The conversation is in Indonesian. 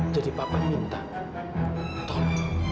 jadi papa minta tolong